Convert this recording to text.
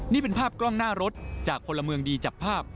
นี่เป็นภาพกล้องหน้ารถจากพลเมืองดีจับภาพ